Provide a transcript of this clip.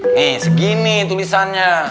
nih segini tulisannya